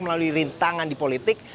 melalui rintangan di politik